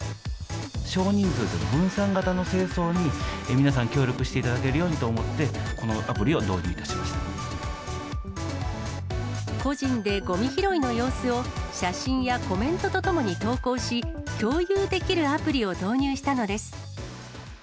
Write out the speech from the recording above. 少人数で分散型の清掃に皆さん、協力していただけるようにと思って、このアプリを導入いたし個人でごみ拾いの様子を、写真やコメントと共に投稿し、共有できるアプリを導入したのです。